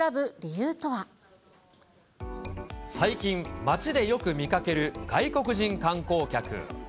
最近、街でよく見かける外国人観光客。